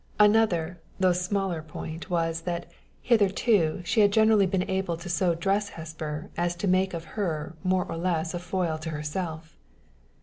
Another, though a smaller, point was, that hitherto she had generally been able so to dress Hesper as to make of her more or less a foil to herself.